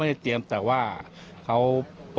ไม่ตั้งใจครับ